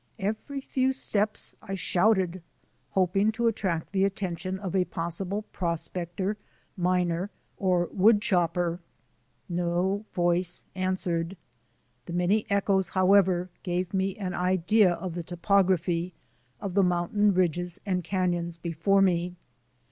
Every few steps I shouted, hoping to attract the attention of a possible prospector, miner, or woodchopper. No voice answered. The many echoes, however, gave me an idea of the topography — of the mountain ridges and canons before me.